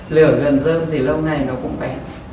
lửa gần rơm thì lâu ngày nó cũng bé